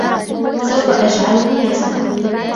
سوف أجعله يسمع.